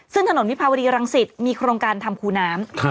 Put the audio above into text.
ซึ่งถนนวิภาวดีรังสิตมีโครงการทำคูน้ำ